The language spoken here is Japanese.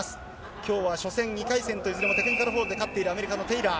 きょうは初戦、２回戦とテクニカルフォールで勝っているアメリカのテイラー。